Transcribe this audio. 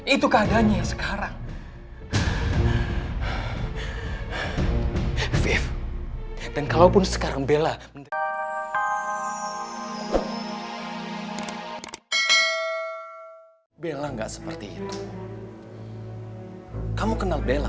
itu keadaannya sekarang viv dan kalaupun sekarang bella bella nggak seperti itu kamu kenal bella